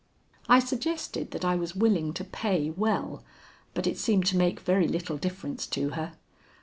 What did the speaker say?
I suggested that I was willing to pay well, but it seemed to make very little difference to her.